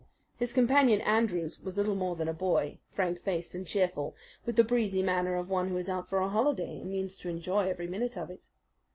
His companion Andrews was little more than a boy, frank faced and cheerful, with the breezy manner of one who is out for a holiday and means to enjoy every minute of it.